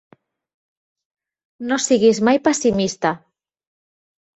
No siguis mai pessimista.